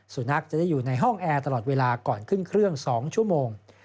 สุนัขจะได้อยู่ในห้องแอร์ตลอดเวลาก่อนขึ้นเครื่อง๒ชั่วโมง